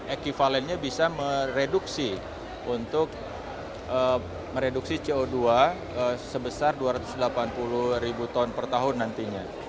ekivalennya bisa mereduksi untuk mereduksi co dua sebesar dua ratus delapan puluh ribu ton per tahun nantinya